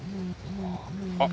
あっ。